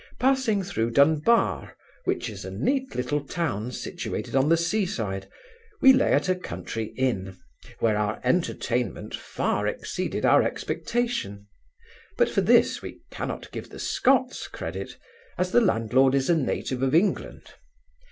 Passing through Dunbar, which is a neat little town, situated on the sea side, we lay at a country inn, where our entertainment far exceeded our expectation; but for this we cannot give the Scots credit, as the landlord is a native of England.